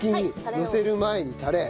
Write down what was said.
のせる前にタレ。